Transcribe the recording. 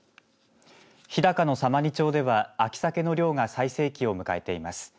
日高の様似町では秋サケの漁が最盛期を迎えています。